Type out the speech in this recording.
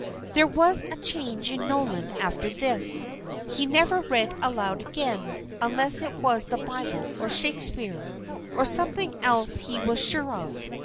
There was a change in Nolan after this. He never read aloud again, unless it was the Bible or Shakespeare, or something else he was sure of.